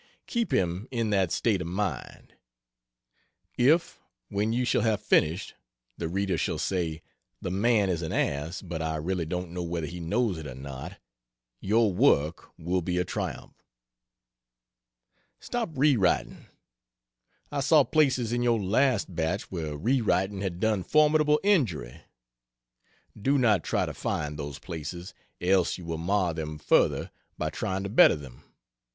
Keep him in that state of mind. If, when you shall have finished, the reader shall say, "The man is an ass, but I really don't know whether he knows it or not," your work will be a triumph. Stop re writing. I saw places in your last batch where re writing had done formidable injury. Do not try to find those places, else you will mar them further by trying to better them.